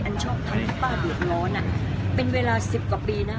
อันชอบทั้งมป่าเดี๋ยวน้อนอ่ะเป็นเวลาสิบกว่าปีนะ